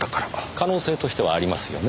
可能性としてはありますよね。